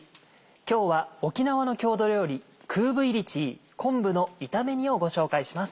今日は沖縄の郷土料理「クーブイリチー」昆布の炒め煮をご紹介します。